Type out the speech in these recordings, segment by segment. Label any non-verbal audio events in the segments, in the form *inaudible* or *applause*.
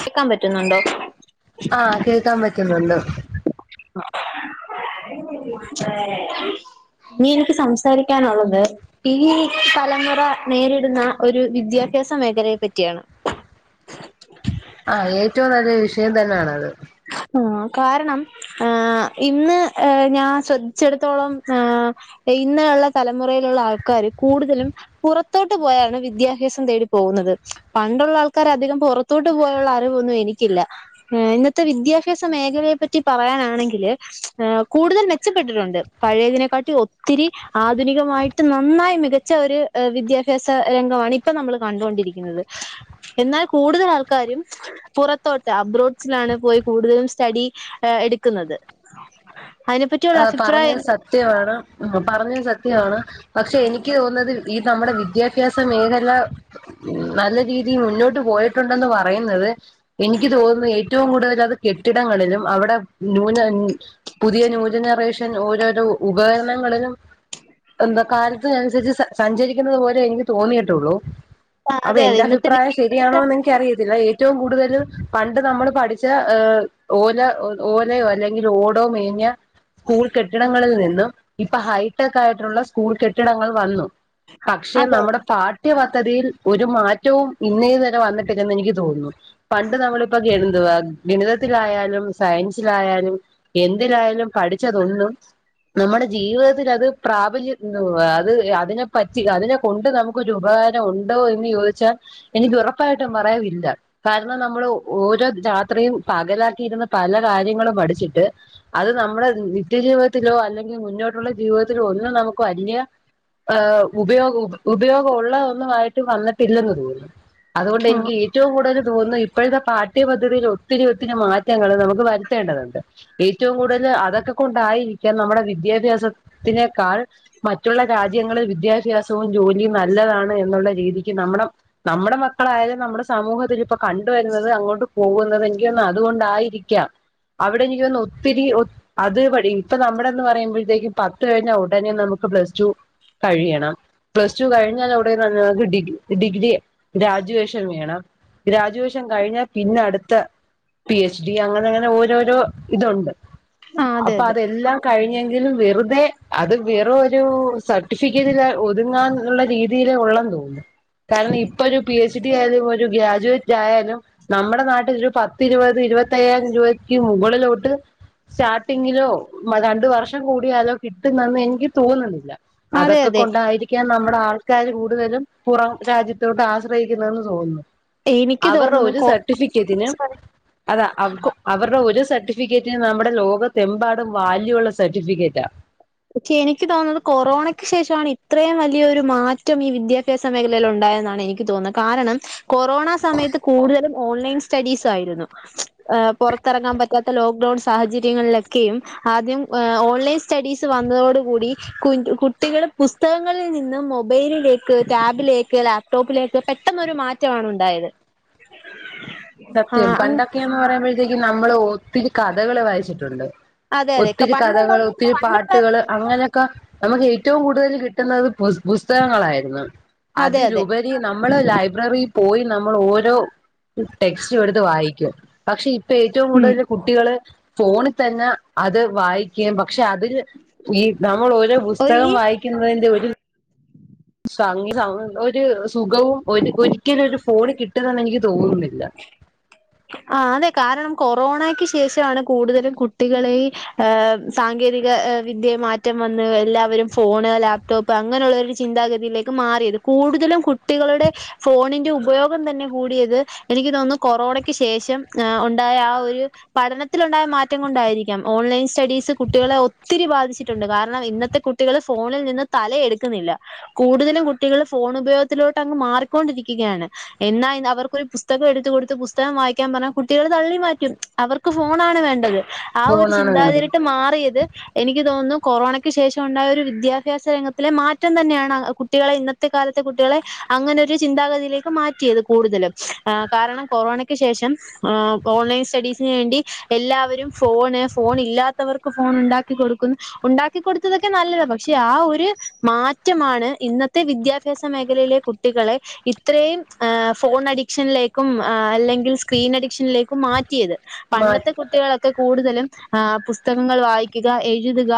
കേൾക്കാൻ പറ്റുന്നുണ്ടോ ആഹ് കേൾക്കാൻ പറ്റുന്നുണ്ട് ഇനി എനിക്ക് സംസാരിക്കാനുള്ളത് ഈ തലമുറ നേരിടുന്ന ഒരു വിദ്യാഭ്യാസ മേഖലയെ പറ്റിയാണ്. ആഹ് ഏറ്റവും നല്ല വിഷയം തന്നെയാണത് ആഹ് കാരണം ആഹ് ഇന്ന് ഞാൻ ശ്രദ്ധിച്ചെടത്തോളം ആഹ് ഇന്നെയുള്ള തലമുറയിലുള്ള ആൾക്കാര് കൂടുതലും പുറത്തോട്ട് പോയാണ് വിദ്യാഭ്യാസം തേടി പോകുന്നത്, പണ്ടുള്ള ആൾക്കാര് അധികം പുറ ത്തോട്ട് പോയുള്ള അറിവൊന്നും എനിക്കില്ല, ഏഹ് ഇന്ന ത്തെ വിദ്യാഭ്യാസ മേഖലയെ പറ്റി പറയാനാണെങ്കില് ഏഹ് കൂടുതൽ മെച്ചപ്പെട്ടിട്ടുണ്ട്, പഴയതിനെക്കാട്ടി ഒത്തിരി ആധുനികമായിട്ട് നന്നായി മിക ച്ച ഒരു വിദ്യാഭ്യാസ രംഗമാണ് ഇപ്പൊ നമ്മൾ കണ്ടുകൊണ്ടിരിക്കുന്നത്. എന്നാൽ കൂടുതൽ ആൾക്കാരും പുറത്തോട്ട് അബ്രോഡ്സിലാണ് പോയി കൂടുതലും സ്റ്റഡി എടുക്കുന്നത് അതിനെപ്പറ്റിയുള്ള ആഹ് അഭിപ്രായം പറഞ്ഞത് എന്താ? സത്യമാണ്, പറഞ്ഞത് സത്യമാണ് പക്ഷെ എനിക്ക് തോന്നുന്നത് ഈ നമ്മുടെ വിദ്യാഭ്യാസ മേഖല നല്ല രീതി തി മുന്നോട്ട് പോയിട്ടുണ്ടെന്ന് പറയുന്നത് എനിക്ക് തോന്നുന്നത് ഏറ്റവും കൂടുതൽ അത് കെട്ടിടങ്ങളിലും അവിടെ ന്യൂന പുതിയ ന്യൂജനറേഷൻ ഓരോരോ ഉപകരണങ്ങളിലും എന്താ കാലത്തിനനുസരിച്ച് സ സഞ്ചരിക്കുന്നത് പോലെ എനിക്ക് തോന്നിയിട്ടുള്ളൂ അതെ എന്റെ അഭിപ്രായം ശരിയാണോന്ന് എനി ക്കറിയത്തില്ല ഏറ്റവും കൂടുതലും പണ്ട് നമ്മള് പഠിച്ച ഓല ഓലയോ അല്ലെങ്കിൽ ഓടോ മേഞ്ഞ സ്കൂൾ കെട്ടിടങ്ങളിൽ നിന്നും ഇപ്പൊ ഹൈടെക് ആയിട്ടുള്ള സ്കൂൾ കെട്ടിടങ്ങൾ വന്നു. പക്ഷെ അതെ നമ്മുടെ പാഠ്യപദ്ധതിയിൽ ഒരു മാറ്റവും ഇന്നേ വരെ വന്നിട്ടില്ലെന്ന് എനിക്ക് തോന്നുന്നു. പണ്ട് നമ്മളിപ്പോ എന്തുവാ ഗണിതത്തിലായാലും സയൻസിലായാലും എന്തിലായാലും പഠിച്ചതൊന്നും നമ്മുടെ ജീവിത ത്തിലത് പ്രാബല്യം അത് അതിനെ പറ്റി അതിനെ കൊണ്ട് നമുക്കൊരു ഉപകാര രമുണ്ടോ എന്ന് ചോദിച്ചാൽ എനിക്ക് ഉറപ്പായിട്ടും പറയാം ഇല്ല കാരണം നമ്മൾ ഓരോ രാത്രിയും പകലാക്കിയിരുന്ന് പല കാര്യങ്ങളും പഠിച്ചിട്ട് അത് നമ്മുടെ നിത്യ ജീവിതത്തിലോ അല്ലെങ്കിൽ മുന്നോട്ടുള്ള ജീവിതത്തിലോ ഒന്നും നമുക്ക് വല്ല്യ ഏഹ് ഉപയോഗ ഉപയോഗം ഉള്ളൊന്നുംമായിട്ട് വന്നിട്ടില്ലെന്ന് തോന്നുന്നു, അതുകൊണ്ട് ആഹ് എനിക്ക് ഏറ്റവും കൂടുതൽ തോന്നുന്നു ഇപ്പോഴത്തെ പാഠ്യപദ്ധതിയിൽ ഒത്തിരി ഒത്തിരി മാറ്റങ്ങള് നമുക്ക് വരുത്തേണ്ടതുണ്ട്. ഏറ്റവും കൂടുതല് അ അതൊക്കെ കൊണ്ടായിരിക്കാം നമ്മുടെ വിദ്യാഭ്യാസത്തിനേക്കാൾ മറ്റുള്ള രാജ്യങ്ങളിൽ വിദ്യാഭ്യാസ സവും ജോലിയും നല്ലതാണ് എന്നുള്ള രീതിക്ക് നമ്മുടെ നമ്മുടെ മക്കളായാലും നമ്മുടെ സമൂഹത്തിൽ ഇപ്പൊ കണ്ടുവരുന്നത് അങ്ങോട്ട് പോകുന്നത് എനിക്ക് തോന്നുന്നു അതുകൊണ്ടായിരിക്കാം. അവിടെ എനിക്ക് തോന്നുന്നു ഒത്തിരി ഒ അത് പടി ഇപ്പ നമ്മടെ എന്ന് പറയുമ്പോഴത്തേക്കും പത്ത് കഴിഞ്ഞാൽ ഉടനെ നമുക്ക് പ്ലസ് ടു കഴിയണം പ്ലസ് ടു കഴിഞ്ഞാൽ അവിടെക്ക് ഡിഗ്രി ഡിഗ്രി ഗ്രാജുവേഷൻ വേണം ഗ്രാജുവേഷൻ കഴിഞ്ഞാൽ പിന്നെ അടുത്ത പി എച്ച് ഡി അങ്ങനെ അങ്ങനെ ഓരോരോ ഇതുണ്ട് അതെ അപ്പൊ അതെ. അതെല്ലാം കഴിഞ്ഞെങ്കിലും വെറുതെ അത് വെറും ഒരു സർട്ടിഫിക്കറ്റിൽ ഒതുങ്ങാൻ ഉള്ള രീതിയില് ഉള്ള തോന്നുന്നു കാരണം ഇപ്പൊ ഒരു പി എച്ച് ഡി ആയാലും ഒരു ഗ്രാജുവേറ്റ് *unintelligible* നമ്മുടെ നാട്ടിലൊരു പത്തിരുപത് ഇരുപത്തയ്യായിരം രൂപക്ക് മുകളിലോട്ട് സ്റ്റാർട്ടിങ്ങിലോ രണ്ട് വർഷം കൂടിയാലോ കിട്ടുന്നന്ന് എനിക്ക് തോന്നുന്നില്ല അതെ അതൊക്കെ അതെ. കൊണ്ടായിരിക്കും നമ്മുടെ ആൾക്കാാര് കൂടുതലും പുറം രാജ്യത്തോട്ട് ആശ്രയിക്കുന്നതെന്ന് തോന്നുന്നു എനിക്ക് അവരെ തോന്നുന്നു ഒരു സർട്ടിഫിക്കറ്റ്ന് കോളേജ് അതാ അവരുടെ ഒരു സർട്ടിഫിക്കറ്റിന് നമ്മുടെ ലോകത്തെമ്പാടും വാല്യൂള്ള സർട്ടിഫിക്കറ്റാ പക്ഷെ എനിക്ക് തോന്നുന്നു കൊറോണക്ക് ശേഷമാണ് ഇത്രേം വലിയൊരു മാറ്റം ഈ വിദ്യാഭ്യാസ സ മേഖലൽ ഉണ്ടായെന്നാണ് എനിക്ക് തോന്നുന്നത് കാരണം കൊറോണ സമയത്ത് കൂടുതലും ഓൺലൈൻ സ്റ്റഡീ സായിരുന്നു ഏ പുറത്തിറങ്ങാൻ പറ്റാത്ത ലോക്ക്ഡൌൺ സാഹചര്യങ്ങളിലൊക്കെയും ആദ്യം ഓൺലൈൻ സ്റ്റഡീസ് വന്നതോടു കൂടി കുട്ടികൾ പുസ്തകങ്ങളിൽ നിന്നും മൊബൈലിലേക്ക് ടാബിലേക്ക് ലാ പ്ടോപ്പിലേക്ക് പെട്ടെന്നരു മാറ്റമാണ് ഉണ്ടായത് ആ സത്യം പണ്ടൊക്കെയന്ന് പറയുമ്പഴത്തേക്കും നമ്മള് ഒത്തിരി കഥകള് വായിച്ചിട്ടുണ്ട് അതെ അതെ ഒത്തിരി പണ്ടുള്ള കഥകള് ഒത്തിരി പണ്ടുള്ള പാട്ടുകള് അങ്ങനെയൊക്കെ നമുക്ക് ഏറ്റവും കൂടുതൽ കിട്ടുന്നത് പുസ്തകങ്ങളായിരുന്നു അത് അതെ അതെ ലുബരി നമ്മള് ലൈബ്രറിൽ പോയി നമ്മൾ ഓരോ ടെക്സ്റ്റും എടുത്ത് വായിക്കും പക്ഷെ ഇപ്പ ഏറ്റവും ഉം കൂടുതൽ കുട്ടികള് ഫോണിൽ തന്നെ അത് വായി കെയും പക്ഷെ അതിൽ ഈ നമ്മൾ ഓരോ പുസ്തകം ഈ വായിക്കുന്നതിന്റെ ഒരു സംഗി ഒരു സുഖവും ഒരു ഒരിക്കലും ഒരു ഫോണ് കിട്ടതെന്ന് എനിക്ക് തോന്നുന്നില്ല ആ അതെ കാരണം കൊറോണക്ക് ശേഷമാണ് കൂടുതലും കുട്ടികളെ ഹ സാങ്കേതിക വിദ്യ മാറ്റം വന്ന് എല്ലാവരും ഫോണ് ലാപ് ടോപ് അങ്ങനെയുള്ള ഒരു ചിന്താഗതിയിലേക്ക് മാറിയത് കൂടുതലും കുട്ടികളുടെ ഫോണിന്റെ ഉപയോഗം തന്നെ കൂടിയത് എനിക്ക് തോന്നുന്നു കൊറോണ ക്ക് ശേഷം ഉണ്ടായ ആ ഒരു പഠനത്തിലുണ്ടായ മാറ്റം കൊണ്ടായിരിക്കാം ഓൺലൈൻ സ്റ്റഡീസ് കുട്ടികളെ ഒത്തിരി ബാധിച്ചിട്ടുണ്ട് കാരണം ഇന്നത്തെ ത്തെ കുട്ടികൾ ഫോണിൽ നിന്ന് തല എടുക്കുന്നില്ല കൂടുതലും കുട്ടികള് ഫോൺ ഉപയോഗത്തിലോട്ട് അങ്ങ് മാറിക്കൊണ്ടിരിക്കുകയാണ് എന്നാ അവർക്ക് ഒരു പുസ്തകം എടുത്തു കൊടുത്ത് പും പുസ്തകം വായിക്കാൻ പറഞ്ഞാ കുട്ടികൾ തള്ളി മാറ്റും അവർക്ക് ഫോണാണ് വേണ്ടത് ആ ഒരു ഫോണാണ് വേണ്ടത് ചിന്താതിരിട്ട് മാറിയത് എനിക്ക് തോന്നുന്നു കൊറോണക്ക് ശേഷം ഉണ്ടായ ഒരു വിദ്യാഭ്യാസ രംഗത്തിലെ മാറ്റം തന്നെയാണ് കുട്ടികളെ ഇന്നത്തെ കാലത്തെ കുട്ടികളെ അങ്ങനെ ഒരു ചിന്താഗതിയിലേക്ക് മാറ്റിയത് കൂടുതലും കാരണം കൊറോണ ക്ക് ശേഷം ആ ഓൺലൈൻ സ്റ്റഡീസിന് വേണ്ടി എല്ലാവരും ഫോണ് ഫോൺ ഇല്ലാത്തവർക്ക് ഫോൺ ഉണ്ടാക്കി കൊടുക്കുന്നു ഉണ്ടാക്കിടുത്തതൊക്കെ നല്ലതാണ് പക്ഷെ ആ ഒരു മാറ്റമാണ് ഇന്നത്തെ വിദ്യാഭ്യാസ മേഖലയിലെ കു കുട്ടികളെ ഇത്രയും ഫോൺ അഡിക്ഷനിലേക്കും അല്ലെങ്ക സ്ക്രീൻ അഡിക്ഷനിലേക്ക് മാറ്റിയത് പണ്ടത്തെ മാറ്റി കുട്ടികൾ കൂടുതലും പുസ്തകങ്ങൾ വായിക്കുക എഴുതുക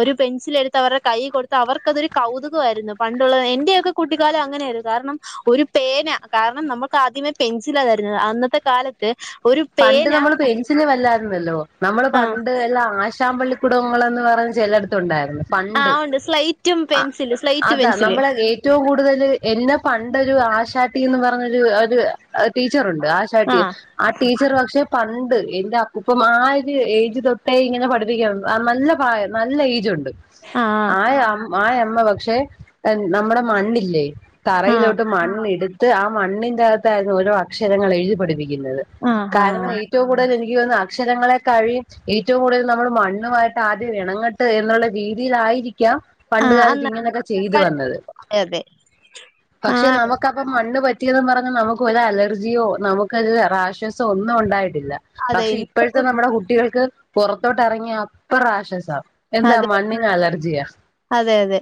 ഒരു പെൻസിൽ എടുത്ത് അവരുടെ കൈ കൊടു അവർക്കതൊരു കൗതുകമായിരുന്നു പണ്ടുള്ളത് എന്റെറെയൊക്കെ കുട്ടിക്കാലം അങ്ങനെയ ആയിരുന്നു കാരണം ഒരു പേന കാര്ണം നമുക്ക് ആദ്യമേ പെൻസിലാ തെരുന്നത് അന്നത്തെ കാലത്ത് ത്ത് ഒരു പണ്ട് പേന നമ്മള് പെൻസിൽ വല്ലായിരുന്നല്ലോ. നമ്മള് ആ പണ്ട് എല്ലാം ആശാമ്പള്ളി കുടുംബൾ എന്ന് പറഞ് ചെലട്ത്തുണ്ടായിര് ആ പണ്ട് ഉണ്ട് സ്ലൈറ്റും അഹ് പെൻസില് സ്ലൈറ്റ് അതാ പെൻസില് നമ്മള് *unintelligible* ഏറ്റവും കൂടുതൽ എന്നെ പണ്ടൊരു ആശാട്ട്ന്ന് പറഞ്ഞൊരു ഒര് ടീച്ചറുണ്ട് ആ ആഷാട്ടി ആഹ് ടീച്ചർ പക്ഷേ പണ്ട് എൻ്റെ അപൂപ്പം മാർ ഏയ്ജ് തൊട്ടേ ഇങ്ങനെ പഠിപ്പിക്ന ആ നല്ല പ്രായമ് നല്ല ഏയ്ജ്ണ്ട് ആ ആയ ആയമ്മ പക്ഷെ നമ്മടെ മണ്ണില്ലേ ആ തറയിലോട്ട് മണ്ണി ഇടുത്ത് ആ മണ്ണിന്റെകത്തായിര്ന്നു ഓരോ അക്ഷരങ്ങൾ എഴുതി പഠിപ്പിക്കുന്നത് ആ ആ കാരണം ഏറ്റവും കൂടുതല് എനിക്ക് തോന്നുന്ന അക്ഷരങ്ങളെ കഴിയും ഏറ്റവും കൂടുതൽ നമ്മൾ മണ്ണുവായിട്ട് ആദ്യം എണങ്ങട്ട് എന്ന്ള്ള രീതിയിലായിരി *unintelligible* ആ പണ്ടുകാലത്ത് അന്ന് ഇങ്ങനൊക്കെ ചെയ്തു പഠിച്ച വന്നത്. അതെ അതെ ആ പക്ഷെ നമു നമുക്കപ്പൊ മണ്ണ് പറ്റിയതൊന്ന് പറഞ്ഞ് നമുക്ക് ഒരു അലർജിയോ നമുക്കത് റാശസോ ഒന്നും ഉണ്ടായിട്ടില്ല അതെ പക്ഷെ ഇന്നത്തെ ഇപ്പഴത്തെ കുട്ടി നമ്മടെ കുട്ടികൾക്ക് പൊറത്തോട്ട് എറങ്ങിയ അത്തറ ആശ്വസാ എന്താ അതെ മണ്ണിന് അലർജിയാ അതെ അതെ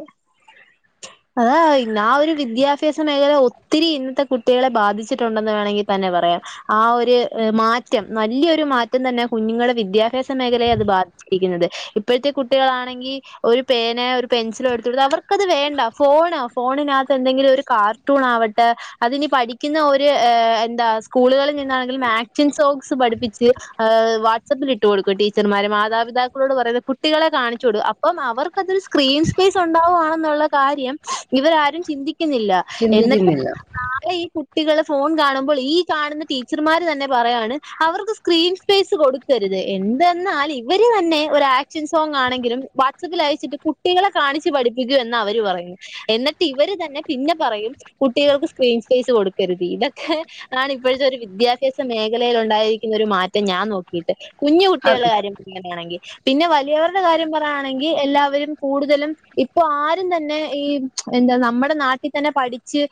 അതാ ആ ഒരു വിദ്യാഭ്യാസ മേഖല ഒത്തിരി ഇന്നത്തെ കുട്ടികളെ ബാധിച്ചിട്ടുണ്ടെന്ന് വേണമെങ്കി തന്നെ പറയാം ആ ഒരു മാറ്റം നല്യൊരു മാറ്റം തന്നെ. കുഞ്ഞുങ്ങളുടെ വിദ്യാഭ്യാസ മേഖലയെ അത് ബാധി യിക്കുന്നത് ഇപ് ഇപ്പഴ്ത്തെ കുട്ടികളാണെങ്കി ഒരു പേനയോ ഒരു പെൻസിലോ എടുത്ത് കൊടുത്താ അവർക്കത് വേണ്ട ഫോൺോ ഫോണിനാത്ത് എന്തെങ്കിലും ഒരു കാർട്ടൂൺ ആവട്ട് അതിനി പഠിക്കുന്ന ഒരു എന്താ സ്കൂളുകളിൽ നിന്നാണെങ്കിലും ആക്ഷൻ സോങ്സ് പഠിപ്പിച്ച് ഹ് വാട്സപ്പിൽ ഇട്ട് കൊടുക്കും ടീച്ചർമാര മാതാപിതാക്കളോട് പറയുന്ന കു കുട്ടികളെ കാണിച്ചോടും. അപ്പം അവർക്കതൊരു സ്ക്രീൻ സ്പേയ്സ് ഒണ്ടാവാണെന്നുള്ള കാര്യം ഇവരാരും ചിന്തിക്കുന്നില്ല. എന്നിട്ട് ചിന്തിക്കുന്നില്ല നാളെ ഈ കുട് കുട്ടികള് ഫോൺ കാണുമ്പോൾ ഈ കാണുന്ന ടീച്ചർമാർ തന്നെ പറയാണ് അവർക്ക് സ്ക്രീൻ സ്പേസ് കൊടു ക്കെരുത് എന്തെന്നാൽ ഇവര് തന്നെ ഒരാ ആക്ഷൻ സോങ് ആണെങ്കിലും വാട്സപ്പിൽ അയച്ചിട്ട് കുട്ടികളെ കാണിച്ച് പഠിപ്പിക്കൂ എന്നാ അവര് പറയുന്നേ എന്നട്ട് ഇവര് തന്നെ പിന്നെ പറയും കുട്ടികൾക്ക് സ്ക്രീൻ സ്പേസ് കൊടുക്കരുത് ഇതൊക്കെ അതാണ് ഇപ്പോത്തെ ഒരു വിദ്യാഭ്യാസ മേഖലയിൽ ഉണ്ടായിരിക്കുന്ന ഒരു മാറ്റം ഞാൻ നോക്കി നോക്കിയിട്ട് അത് കുഞ്ഞുകുട്ടികൾടെ കാര്യം അങ്ങനെയാണെങ്കി പിന്നെ വലിയവരുടെ കാര്യം പറയാണെങ്കി എല്ലാവരും കൂടുതലും ഇപ്പൊ ആരും തന്നെ ഈ എന്താ നമ്മടെ നാട്ടിത്തന്നെ പഠിച്ച്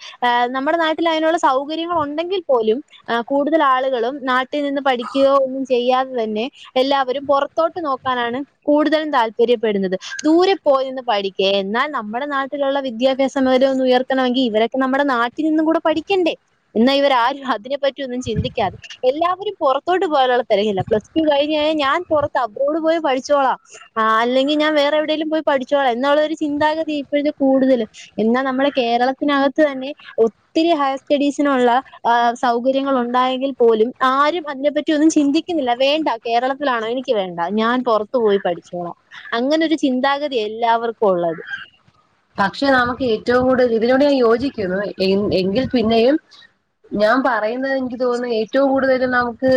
നമ്മുടെ നാട്ടിൽ അയ്നുള്ള സൗകര്യങ്ങൾ ഒണ്ടെങ്കിൽ പോലും ആ കൂടുതല് ആളുകളും നാട്ടിൽ നിന്ന് പഠി ക്കൊയോ ഒന്നും ചെയ്യാതെ തന്നെ എല്ലാവരും പൊറത്തോട്ട് നോക്ക ക്കാനാണ്. കൂടുതലും താല്പര്യപ്പെടുന്നത് ദൂരെ പോയിന്ന് പഠിക്കേ എന്നാൽ നമ്മടെ നാട്ട് നാട്ടിലുള്ള വിദ്യാഭ്യാസം ഒന്ന് ഉയർത്തണമെങ്കി ഇവരെക്കെ നമ്മടെ നാട്ടി നിന്നും കൂടെ പഠിക്കെണ്ടേ എന്നാ ഇവരാരും അതിനെപ്പറ്റി മറ്റൊന്നും ചിന്തിക്കാതെ. എല്ലാവരും പൊറത്തോട്ട് പോവാനൊള്ള തെരക്കിലാ. പ്ലസ് ടു കഴിഞ്ഞ് കഴിഞ്ഞാ ഞാൻ പൊറത്താ സ്കൂള് പോയി പഠിച്ചോളാം ആ അല്ലെങ്കി ഞാൻ വേറെ എവിടെലും പോയി പഠിച്ചോളാം എന്നുള്ളൊരു ചിന്താഗതി ഇപ്പോഴല്ലേ കൂടുതലും എന്നാ നമ്മള കേരളത്തിന് അകത്ത് തന്നെ ഒത്തി ഒത്തിരി ഹയർ സ്റ്റഡീസിനൊള്ള സൗകര്യങ്ങൾ ഒണ്ടായെങ്കിൽ പോലും ആരും അതിനെപ്പറ്റി ഒന്നും ചിന്തി ചിന്തിക്കുന്നില്ല വേണ്ട കേരളത്തിലാണോ. എനിക്ക് വേണ്ട ഞാൻ പൊറത്തു പോയി പഠിച്ചോളാ. അങ്ങനെ ഒരു ചിന്താഗതിയാ എല്ലാവർക്കും ഒള്ളത് പക്ഷെ നമക്ക് ഏറ്റവും കൂടുതൽ ഇതിനോട് ഞാൻ യോജിക്കുന്നു എ എങ്കിൽ പിന്നെയും ഞാൻ പറയുന്നതെനിക്ക് തോന്ന്ന്നു. ഏറ്റവും കൂടുതലും നമുക്ക്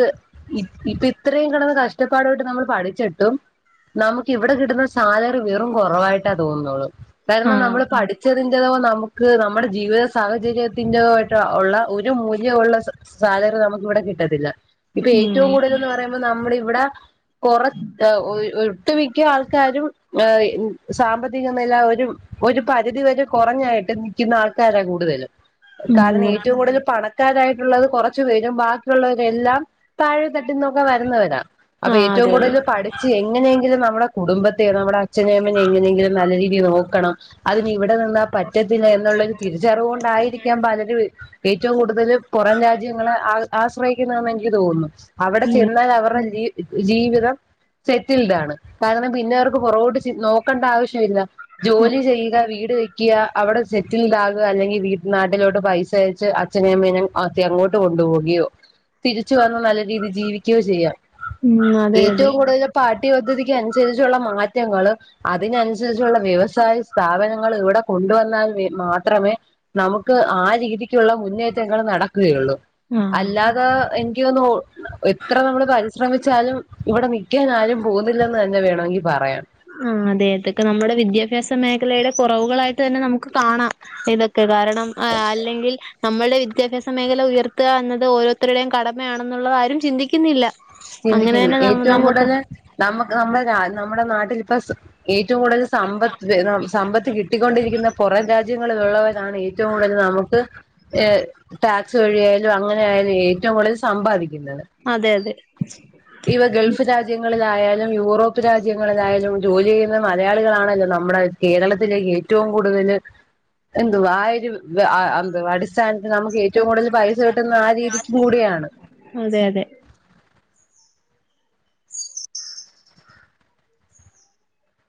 ഇപ്പ ഇപ്പ ഇത്രയും കെടന്ന് കഷ്ടപ്പാട്പ്പെട്ട് നമ്മൾ പഠിച്ചിട്ടും നമുക്ക് ഇവിടെ കിട്ടുന്ന സാലറി വെറും കൊറവായിട്ടാ തോന്നുന്നുള്ളൂ കാരണം നമ്മള് ആഹ് പഠി പഠിച്ചതിന്റതോ നമുക്ക് നമ്മുടെ ജീവിത സാഹചര്യത്തിന്റതോ ആയിട്ട് ഉള്ള ഒരു മൂല്യൊള്ളാ സാലറി നമുക്ക് ഇവിടെ കിട്ടത്തില്ല ഇപ്പൊ ഉം ഏറ്റവും കൂടുതൽന്ന് പറയുമ്പോ നമ്മ്ട ഇവിട കൊറ ഒ ഒട്ടുമിക്ക ആൾക്കാരും സാമ്പത്തിക നില ഒരു ഒരു പരിധി വരെ കൊറഞ്ഞായിട്ട് നിക്കുന്ന ആൾക്കാരാ കൂടുതലും കാരണം ഉം ഏറ്റവും കൂടുതൽ പണ ക്കാരായിട്ടുള്ളത് കൊറച്ചു പേരും ബാക്കിയുള്ളവരെല്ലാം- താഴെ തട്ടുന്നൊക്കെ വരുന്നവരാ അപ്പൊ ആഹ് ഏറ്റവും അതെ അതെ കൂടുതൽ പഠിച്ച് എങ്ങനെങ്കിലും നമ്മള കുടുംബത്തെയും നമ്മുടെ അച്ഛനേം അമ്മേനേം എങ്ങനെയെങ്കിലും നല്ല രീതിയിൽ നോക്കണം- അതിന് ഇവിടെ നിന്നാ പറ്റത്തില്ല എന്നുള്ളൊരു തിരിച്ചറിവ് കൊണ്ടായിരിക്കാം പലരും ഏറ്റവും കൂടുതൽ കൂടുതല് പൊറം രാജ്യങ്ങളെ ആ ആശ്രയിക്കുന്നെന്ന് എനിക്ക് തോന്നുന്നു അവിടെ ചെന്നാലവർടെ ജീ ജീവിതം സെറ്റിൽഡ് ആണ് കാരണം പിന്നെ അവർക്ക് പുറോട്ട് ച്ചി നോക്ക ക്കണ്ട ആവശ്യമില്ല ജോലി. ചെയ്യുക വീട് വെക്കുക, അവിടെ സെറ്റിൽ ആകുക അല്ലെങ്കിൽ വീ നാട്ടിലോട്ട് പൈസ അയച്ച്. അച്ഛനേ അമ്മേനേം ആത്തി അങ്ങോട്ട് കൊണ്ടുപോകുകയോ തിരിച്ചു വന്ന് നല്ല രീതിൽ ജീവിക്കുകയോ ചെയ്യാം. ഉം അതെ അതെ ഏറ്റവും കൂടുതൽ.. പാട്ട്യ പദ്ധതിക്ക് അനുസരിച്ചുള്ള മാറ്റങ്ങൾ അതിനനുസരിച്ചുള്ള വ്യവസായ.. സ്ഥാപനങ്ങൾ ഇവിടെ കൊണ്ടുവന്നാൽ വെ മാത്രമേ, നമുക്ക് ആ രീതിക്കുള്ള മുന്നേറ്റങ്ങൾ നടക്കുകയുള്ളു. ആഹ് അല്ലാതെ എനിക്ക് തോന്നുന്നു ഒ എത്ര നമ്മള് പരിശ്രമിച്ച.. ആലും ഇവിടെ നൽിക്കാൻ ആരും പോകുന്നില്ലന്ന് തന്നെ വേണമെങ്കിൽ പറയാം. ആ അതെതൊക്കെ നമ്മുടെ വിദ്യാഭ്യാസ മേഖലയിലെ കുറവുകളായിട്ട് തന്നെ നമുക്ക് കാണാം. ഇതൊക്കെ കാരണം ആ അല്ലെങ്കിൽ, നമ്മളുടെ വിദ്യാഭ്യാസ മേഖല ഉയർത്തുക എന്നത് ഓരോരുത്തരുടെയും കടമയാണെന്നുള്ളത് ആരും ചിന്തിക്കുന്നില്ല. അങ്ങനെ ചിന്തിക്കുന്നത് തന്നെ ഏറ്റവും നമുക്ക് കൂടുതല് നമ്മക്ക് നമ്മുടെ രാ നമ്മുടെ നാട്ടിലിപ്പ ഏറ്റവും കൂടുതൽ സമ്പത്ത് വെ സം സമ്പത്ത് കിട്ടിക്കൊണ്ടിരിക്കുന്ന- പൊറം രാജ്യങ്ങളിലുള്ളവരാണ് ഏറ്റവും കൂടുതൽ നമുക്ക്. ഏ ടാക്സ് വഴിയായാലും അങ്ങനെ ആയാലും ഏറ്റവും കൂടുതൽ സമ്പാദിക്കുന്നത്. അതെ അതെ- ഇവ ഗൾഫ് രാജ്യങ്ങളിലായാലും യൂറോപ്പ് രാജ്യങ്ങളിലായാലും. ജോലി ചെയ്യുന്ന മലയാളികളാണല്ലോ നമ്മുടെ കേരളത്തിലേക്ക് ഏറ്റവും കൂടുതല് - എന്തുവ ആഹ് ഒരു വെ ആ ന്ത് അടിസ്ഥാനത്തിൽ നമുക്ക്.. ഏറ്റവും കൂടുതൽ പൈസ കിട്ടുന്ന ആ രീതിക്കും കൂടിയാണ്. അതെ അതെ.